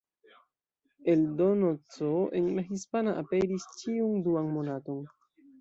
Eldono C, en la hispana, aperis ĉiun duan monaton.